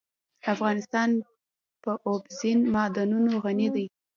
افغانستان په اوبزین معدنونه غني دی.